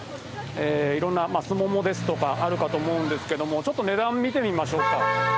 いろんなスモモですとか、あるかと思うんですけども、ちょっと値段見てみましょうか。